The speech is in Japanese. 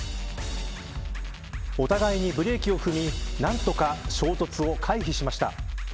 お互いにブレーキを踏み何とか衝突を回避しました。